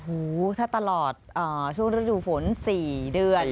ถ้าตลอดช่วงฤดูฝน๔เดือน